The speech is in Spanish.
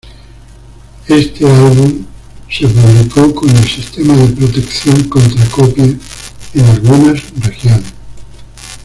Este álbum se publicó con el sistema de protección contra copia en algunas regiones.